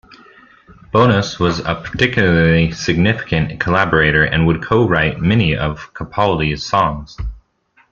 Bonas was a particularly significant collaborator, and would co-write many of Capaldi's songs.